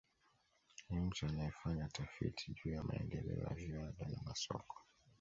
Ni mtu anayefanya tafiti juu ya maendeleo ya viwanda na masoko